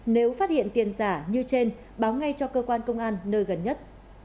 nếu phát hiện tiền giả như trên báo ngay cho cơ quan công an nơi gần nhất